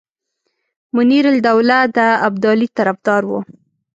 منیرالدوله د ابدالي طرفدار وو.